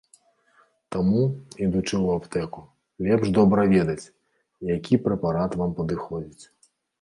Таму, ідучы ў аптэку, лепш добра ведаць, які прэпарат вам падыходзіць.